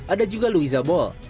ada juga louisa ball